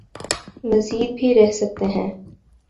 مزید بھی رہ سکتے ہیں۔